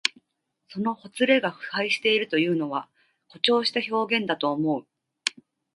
そのほつれが腐敗しているというのは、誇張した表現だと思う。